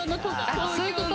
あっそういうこと？